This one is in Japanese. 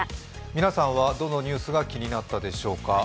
皆さんはどのニュースが気になったでしょうか。